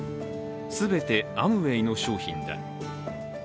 全てアムウェイの商品だ。